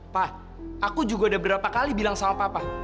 pak aku juga udah berapa kali bilang sama papa